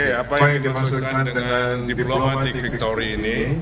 oke apa yang dimasukkan dengan diplomatic victory ini